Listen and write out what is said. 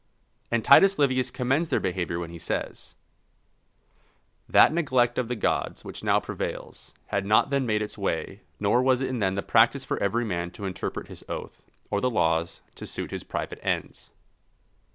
And Titus Livius commends their behaviour when he says: "_That neglect of the gods which now prevails, had not then made its way nor was it then the practice for every man to interpret his oath, or the laws, to suit his private ends_."